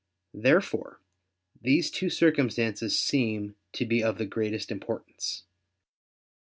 Therefore these two circumstances seem to be of the greatest importance.